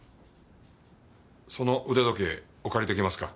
その腕時計お借り出来ますか？